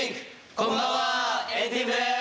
こんばんは＆ＴＥＡＭです。